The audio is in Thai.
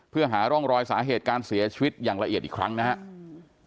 เพื่อหาร่องรอยสาเหตุการเสียชีวิตอย่างละเอียดอีกครั้งนะครับ